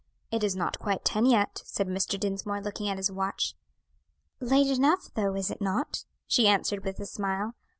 "It is not quite ten yet," said Mr. Dinsmore, looking at his watch. "Late enough though, is it not?" she answered with a smile.